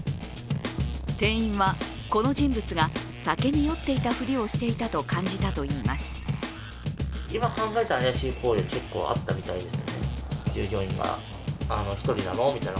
店員は、この人物が酒に酔っていたふりをしていたと感じたといいます。